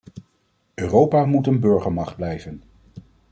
Europa moet een burgermacht blijven.